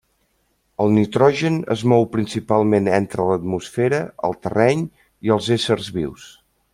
El nitrogen es mou principalment entre l'atmosfera, el terreny i els éssers vius.